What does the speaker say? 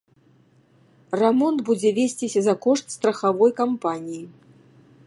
Рамонт будзе весціся за кошт страхавой кампаніі.